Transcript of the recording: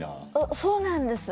そうなんです。